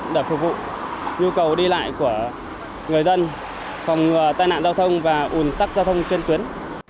để phục vụ nhu cầu đi lại của người dân phòng ngừa tai nạn giao thông và ủn tắc giao thông trên tuyến